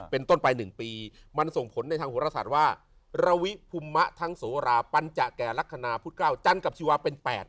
เป็นต้นไปหนึ่งปีมันส่งผลในทางหัวราศาสตร์ว่าระวิภุมะทั้งโสราปัญจักรแก่ลักษณาพุทธเกล้าจันทร์กับชีวะเป็นแปด